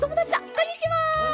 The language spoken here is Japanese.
こんにちは！